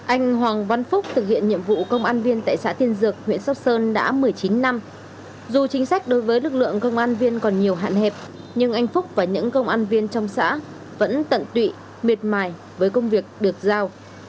anh hoàng văn phúc thực hiện nhiệm vụ công an viên tại xã tiên dược huyện sóc sơn đã một mươi chín năm dù chính sách đối với lực lượng công an viên còn nhiều hạn hẹp nhưng anh phúc và những công an viên trong xã vẫn tận tụy miệt mài với công việc được giao